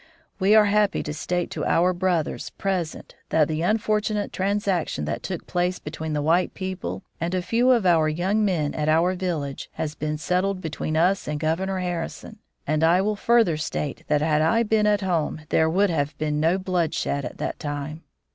We are happy to state to our brothers present that the unfortunate transaction that took place between the white people and a few of our young men at our village, has been settled between us and Governor Harrison; and I will further state that had I been at home there would have been no bloodshed at that time.